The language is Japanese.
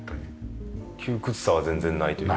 窮屈さは全然ないというか。